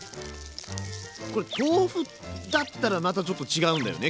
これ豆腐だったらまたちょっと違うんだよね